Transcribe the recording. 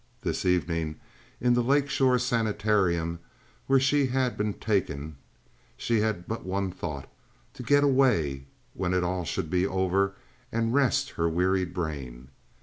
This evening, in the Lake Shore Sanitarium, where she had been taken, she had but one thought—to get away when it should all be over and rest her wearied brain.